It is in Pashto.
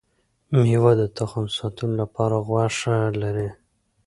ميوه د تخم ساتلو لپاره غوښه لري